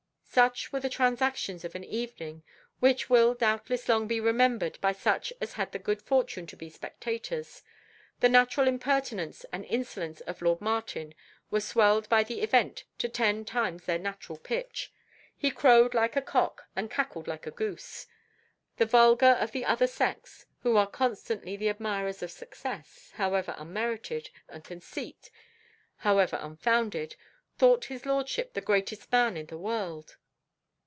Such were the transactions of an evening, which will doubtless long be remembered by such as had the good fortune to be spectators. The natural impertinence and insolence of lord Martin were swelled by the event to ten times their natural pitch. He crowed like a cock, and cackled like a goose. The vulgar of the other sex, who are constantly the admirers of success, however unmerited, and conceit, however unfounded, thought his lordship the greatest man in the world.